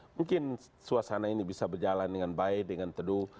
mungkin suasana ini bisa berjalan dengan baik dengan teduh